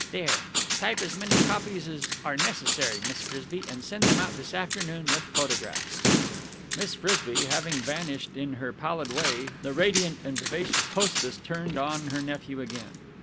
There! Type as many copies as are necessary, Miss Frisby, and send them out this afternoon with photographs." Miss Frisby having vanished in her pallid way, the radiant and vivacious hostess turned on her nephew again.